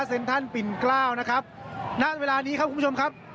เซ็นทรัลปิ่นเกล้านะครับณเวลานี้ครับคุณผู้ชมครับ